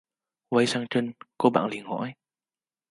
quay sang Trinh cô bạn liền hỏi